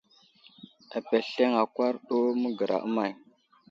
Apesleŋ akwar ɗu məgəra may ?